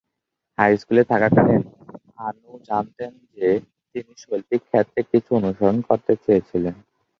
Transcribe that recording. High স্কুলে থাকাকালীন, আনু জানতেন যে তিনি শৈল্পিক ক্ষেত্রে কিছু অনুসরণ করতে চেয়েছিলেন।